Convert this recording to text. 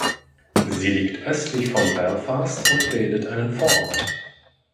Sie liegt östlich von Belfast und bildet einen Vorort.